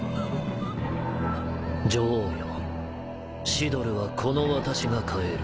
Δ茵シドルはこの私が変える。